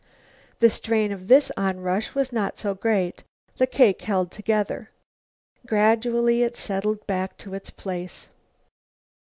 The strain of this onrush was not so great. The cake held together. Gradually it settled back to its place.